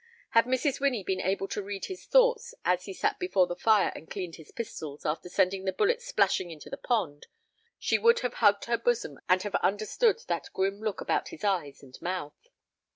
Had Mrs. Winnie been able to read his thoughts as he sat before the fire and cleaned his pistols after sending the bullets splashing into the pond, she would have hugged her bosom and have understood that grim look about his eyes and mouth.